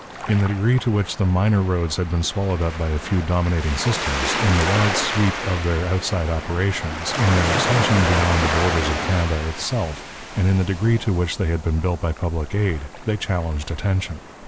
In the degree to which the minor roads had been swallowed up by a few dominating systems, in the wide sweep of their outside operations, in their extension beyond the borders of Canada itself, and in the degree to which they had been built by public aid, they challenged attention.